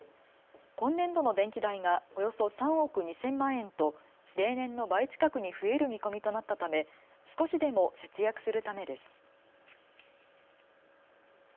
今年度の電気代がおよそ３億２０００万円と例年の倍近くに増える見込みとなったため少しでも節約するためです。